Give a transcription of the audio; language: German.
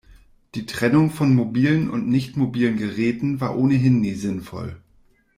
Die Trennung von mobilen und nicht mobilen Geräten war ohnehin nie sinnvoll.